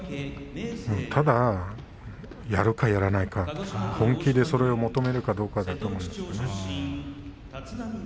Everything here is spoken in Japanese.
ただ、やるかやらないか本気でそれを求めるかだと思います。